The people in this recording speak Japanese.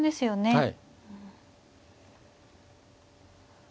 はい。